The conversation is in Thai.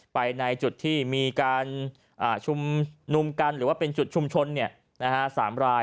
ไปในจุดที่มีการชุมนุมกันหรือว่าเป็นจุดชุมชน๓ราย